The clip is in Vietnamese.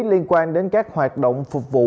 liên quan đến các hoạt động phục vụ